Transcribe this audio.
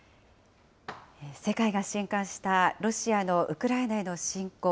世界がしんかんしたロシアのウクライナへの侵攻。